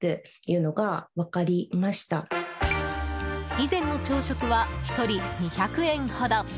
以前の朝食は１人２００円ほど。